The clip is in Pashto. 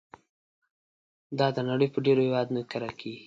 دا د نړۍ په ډېرو هېوادونو کې کرل کېږي.